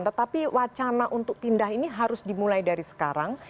tetapi wacana untuk pindah ini harus dimulai dari sekarang